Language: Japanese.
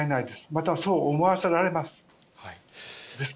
またそう思わせられます。